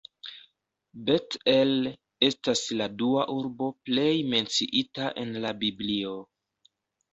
Bet-El estas la dua urbo plej menciita en la Biblio.